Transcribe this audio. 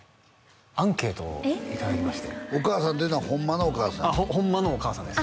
アンケートをいただきましてお母さんっていうのはホンマのお母さん？ホンマのお母さんです